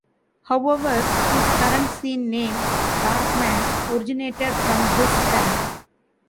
However, his current scene name, Darkman, originated from this time.